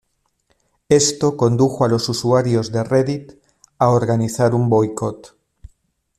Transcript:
Esto condujo a los usuarios de Reddit a organizar un boicot.